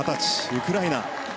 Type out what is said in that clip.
ウクライナ。